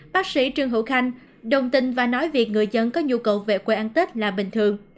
bác sĩ trương hữu khanh đồng tin và nói việc người dân có nhu cầu về quê ăn tết là bình thường